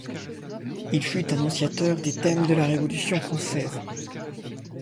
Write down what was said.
Il fut annonciateur des thèmes de la Révolution française.